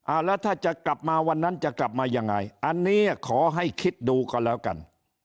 แล้วถ้าจะกลับมาวันนั้นจะกลับมายังไงอันนี้ขอให้คิดดูก่อนแล้วกัน